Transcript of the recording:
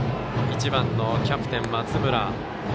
１番のキャプテン、松村。